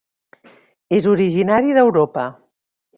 És originari d'Europa.